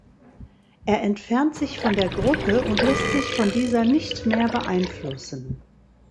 Er entfernt sich von der Gruppe und lässt sich von dieser nicht mehr beeinflussen.